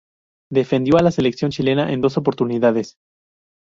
Defendió a la selección chilena en dos oportunidades.